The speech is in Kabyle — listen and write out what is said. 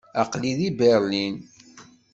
Aql-i di Berlin.